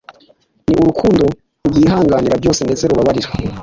, ni urukundo rwihanganira byose ndetse rubabarira